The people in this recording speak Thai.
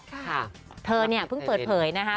ค่ะเธอเนี่ยเพิ่งเปิดเผยนะคะ